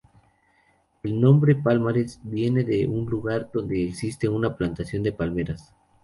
El nombre Palmares viene de un lugar donde existe una plantación de palmeras.